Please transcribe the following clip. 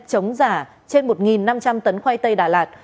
chống giả trên một năm trăm linh tấn khoai tây đà lạt